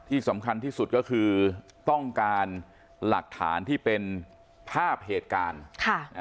ที่สำคัญที่สุดก็คือต้องการหลักฐานที่เป็นภาพเหตุการณ์ค่ะ